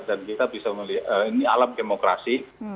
dan kita bisa melihat ini alam demokrasi